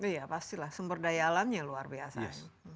iya pastilah sumber daya alamnya luar biasa